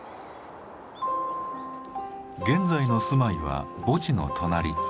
現在の住まいは墓地の隣。